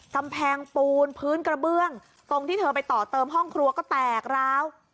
กำแพงปูนพื้นกระเบื้องตรงที่เธอไปต่อเติมห้องครัวก็แตกร้าว